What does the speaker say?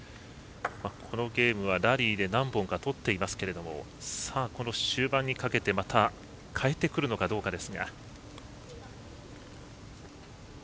このゲームはラリーで何本か取っていますけどもこの終盤にかけてまた変えてくるかどうかです。